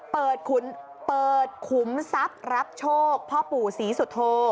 เปิดขุมทรัพย์รับโชคพ่อปู่ศรีสุโธ